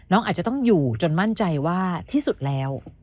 น้องอาจจะต้องอยู่จนมั่นใจว่าที่สุดแล้ว